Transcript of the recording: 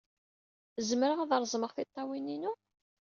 Zemreɣ ad reẓmeɣ tiṭṭawin-inu?